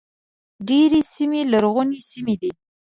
ډېرې سیمې لرغونې سیمې دي.